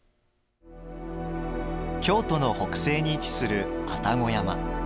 京都の北西に位置する愛宕山。